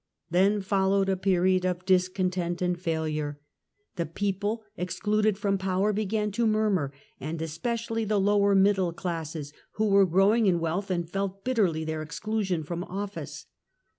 Then followed a period of discontent and failure. The people excluded from power began to murmur, and especially the lower middle classes, who were growing in wealth and felt bitterly their exclusion from office.